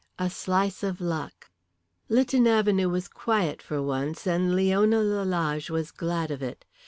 A SLICE OF LUCK. Lytton Avenue was quiet for once, and Leona Lalage was glad of it.